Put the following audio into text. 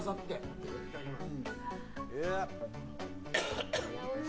いただきます。